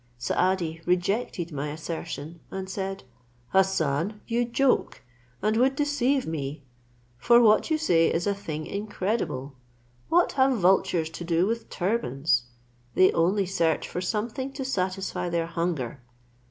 Saadi rejected my assertion, and said, "Hassan, you joke, and would deceive me; for what you say is a thing incredible. What have vultures to do with turbans? They only search for something to satisfy their hunger.